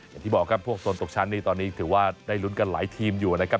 อย่างที่บอกครับพวกโซนตกชั้นนี่ตอนนี้ถือว่าได้ลุ้นกันหลายทีมอยู่นะครับ